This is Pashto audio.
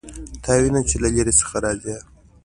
تا وینم چې د لیرې څخه راځې